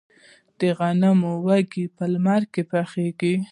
د غنمو وږي په لمر کې پخیږي.